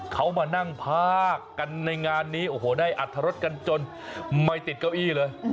เขามานั่งภาคกันในงานนี้โอ้โหได้อัตรรสกันจนไม่ติดเก้าอี้เลย